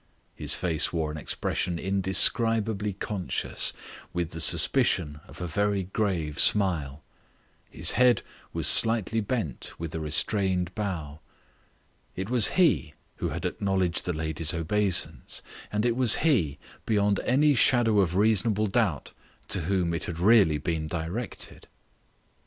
His face wore an expression indescribably conscious, with the suspicion of a very grave smile. His head was slightly bent with a restrained bow. It was he who had acknowledged the lady's obeisance. And it was he, beyond any shadow of reasonable doubt, to whom it had really been directed.